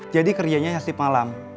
jadi kerjanya hasil malam